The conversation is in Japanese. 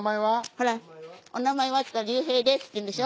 ほらお名前はっていったら隆平ですっていうんでしょ？